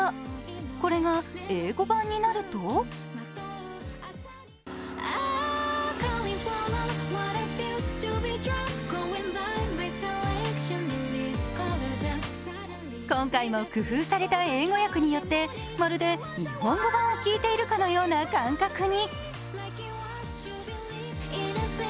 これが英語版になると今回も工夫された英語訳によってまるで日本語版を聴いているかのような感覚に。